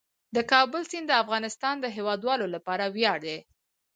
د کابل سیند د افغانستان د هیوادوالو لپاره ویاړ دی.